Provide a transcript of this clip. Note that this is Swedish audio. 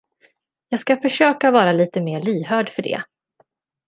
Jag ska försöka vara lite mer lyhörd för det.